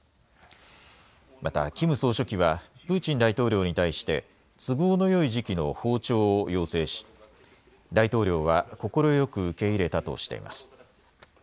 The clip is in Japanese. またキム総書記はプーチン大統領に対して都合のよい時期の訪朝を要請し、大統領は快く受け入れたとしています。